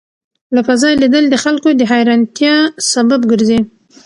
له فضا لیدل د خلکو د حېرانتیا سبب ګرځي.